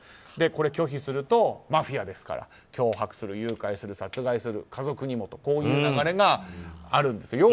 拒否するとマフィアですから脅迫する、誘拐する殺害する、家族にもとこういう流れがあるんです。